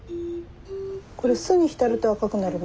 これ酢に浸ると赤くなるの？